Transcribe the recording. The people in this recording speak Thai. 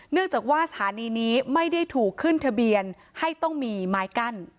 เนื่องจากว่าสถานีนี้ไม่ได้ถูกขึ้นทะเบียนให้ต้องมีไม้กั้น